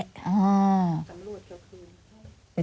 ก็ที่ตำรวจ